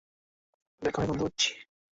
বেকনের গন্ধ পাচ্ছি!